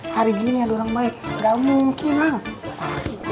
hari gini ada orang baik gak mungkin lah